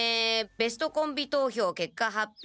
「ベストコンビ投票けっか発表。